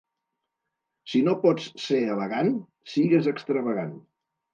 Si no pots ser elegant, sigues extravagant.